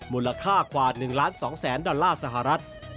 มูลค่ากว่า๑ล้าน๒แสนดอลลาร์สหรัฐ